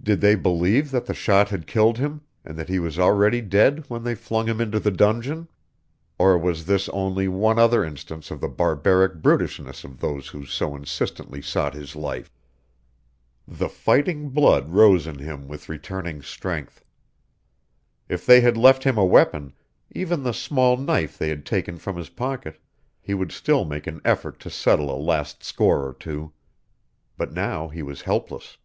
Did they believe that the shot had killed him, that he was already dead when they flung him into the dungeon? Or was this only one other instance of the barbaric brutishness of those who so insistently sought his life? The fighting blood rose in him with returning strength. If they had left him a weapon, even the small knife they had taken from his pocket, he would still make an effort to settle a last score or two. But now he was helpless.